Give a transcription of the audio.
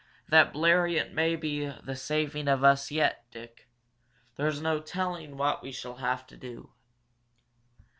"That Bleriot maybe the saving of us yet, Dick. There's no telling what we shall have to do."